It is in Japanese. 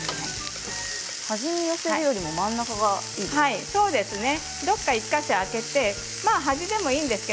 端に寄せるよりも真ん中がいいんですね。